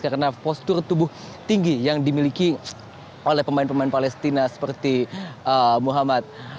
karena postur tubuh tinggi yang dimiliki oleh pemain pemain palestina seperti muhammad